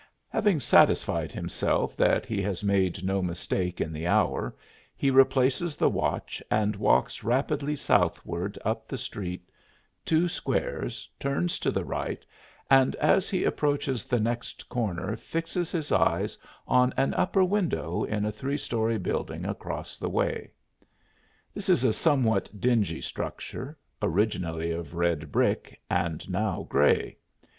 Having satisfied himself that he has made no mistake in the hour he replaces the watch and walks rapidly southward up the street two squares, turns to the right and as he approaches the next corner fixes his eyes on an upper window in a three story building across the way. This is a somewhat dingy structure, originally of red brick and now gray.